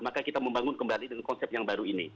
maka kita membangun kembali dengan konsep yang baru ini